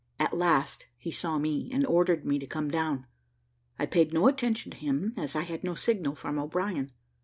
At last he saw me, and ordered me to come down. I paid no attention to him, as I had no signal from O'Brien.